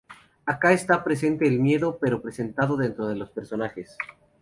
Acá está presente el miedo, pero presentado dentro de los personajes.